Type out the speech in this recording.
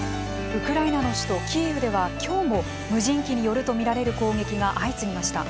ウクライナの首都キーウでは、きょうも無人機によるとみられる攻撃が相次ぎました。